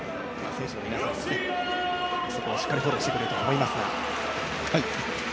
選手の皆さんもそこはしっかりフォローしてくれると思いますが。